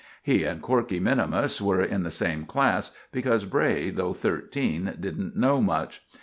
He and Corkey minimus were in the same class, because Bray, though thirteen, didn't know much.